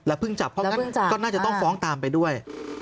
เพิ่งจับเพราะงั้นก็น่าจะต้องฟ้องตามไปด้วย